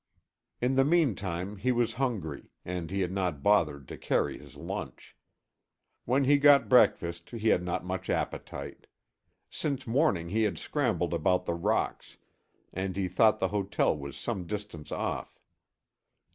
In the meantime, he was hungry, and he had not bothered to carry his lunch. When he got breakfast he had not much appetite. Since morning he had scrambled about the rocks, and he thought the hotel was some distance off.